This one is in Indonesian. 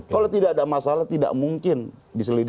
kalau tidak ada masalah tidak mungkin diselidiki